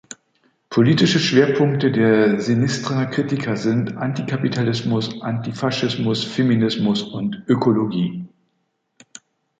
Politische Schwerpunkte der Sinistra Critica sind Antikapitalismus, Antifaschismus, Feminismus und Ökologie.